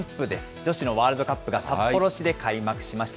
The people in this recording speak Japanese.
女子のワールドカップが札幌市で開幕しました。